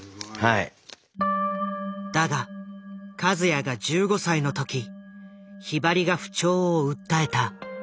だが和也が１５歳の時ひばりが不調を訴えた。